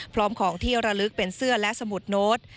พร้อมของที่ระลึกเป็นเสื้อและสมุดโน้ต